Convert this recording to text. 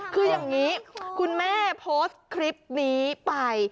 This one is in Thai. คืออย่างนี้คุณแม่โพสต์คลิปนี้ไป